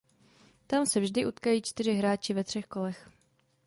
Tam se vždy utkají čtyři hráči ve třech kolech.